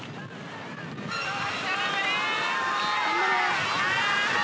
頑張れ。